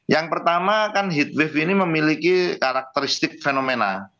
yang pertama kan heat wave ini memiliki karakteristik fenomena